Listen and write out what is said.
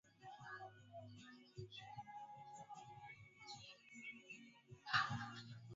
ini si huru huru ina maana talema angependekeza huyu akapendekeza kuna majaji wengi wastaafu